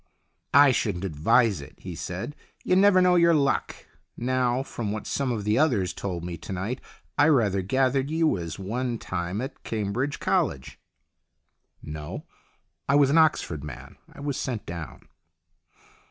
"I shouldn't advise it," he said. "You never know your luck. Now, from what some of the others told me to night, I rather gathered you was one time at Cambridge College." "No. I was an Oxford man. I was sent down."